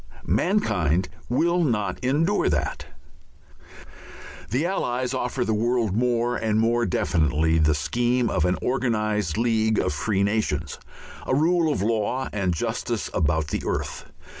Mankind will not endure that. The Allies offer the world more and more definitely the scheme of an organized League of Free Nations, a rule of law and justice about the earth.